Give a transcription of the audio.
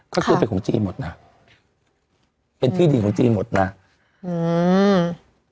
ก็คือเป็นของจีนหมดน่ะเป็นที่ดีของจีนหมดน่ะอืม